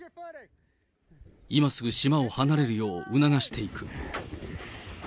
今すぐ島を離れるよう促していく。